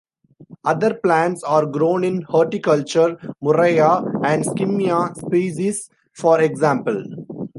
Other plants are grown in horticulture: "Murraya" and "Skimmia" species, for example.